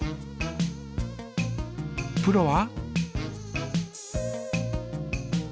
プロは？